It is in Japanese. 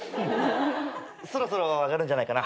そろそろ上がるんじゃないかな。